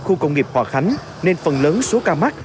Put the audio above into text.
khu công nghiệp hòa khánh nên phần lớn số ca mắc